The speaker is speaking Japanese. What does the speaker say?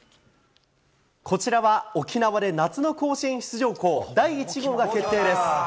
こちらは、沖縄で夏の甲子園出場校、第１号が決定です。